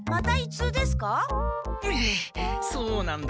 うそうなんだ。